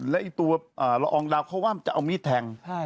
แล้วตัวละอองดาวเขาว่ามันจะเอามีดแทง